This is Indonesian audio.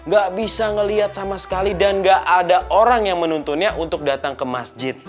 gak bisa melihat sama sekali dan gak ada orang yang menuntunnya untuk datang ke masjid